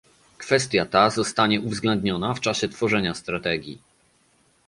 Kwestia ta zostanie uwzględniona w czasie tworzenia strategii